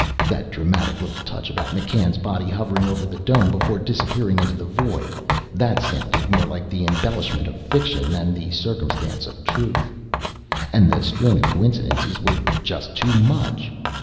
That dramatic little touch about McCann's body hovering over the dome before disappearing into the void, that sounded more like the embellishment of fiction than the circumstance of truth. And the string of coincidences were just too much.